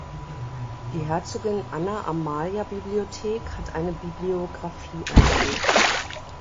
Die Herzogin Anna Amalia Bibliothek hat eine Bibliographie angelegt.